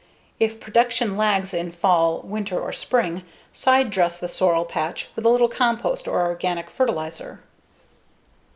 If production lags in fall, winter, or spring, side dress the sorrel patch with a little compost or organic fertilizer.